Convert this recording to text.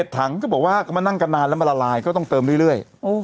ถังก็บอกว่าก็มานั่งกันนานแล้วมาละลายก็ต้องเติมเรื่อย